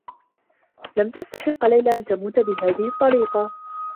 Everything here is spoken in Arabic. لم تستحق ليلى أن تموت بهذه الطّريقة.